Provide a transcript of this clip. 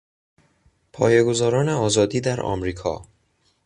پایهگذاران آزادی در آمریکا